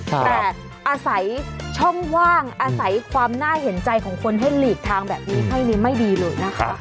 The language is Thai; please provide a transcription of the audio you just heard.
แต่อาศัยช่องว่างอาศัยความน่าเห็นใจของคนให้หลีกทางแบบนี้ให้นี่ไม่ดีเลยนะคะ